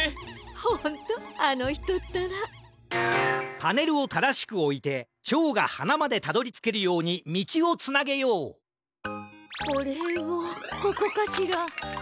パネルをただしくおいてチョウがはなまでたどりつけるようにみちをつなげようこれをここかしら？